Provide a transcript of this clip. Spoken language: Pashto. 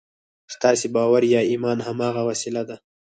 ستاسې باور یا ایمان هماغه وسیله ده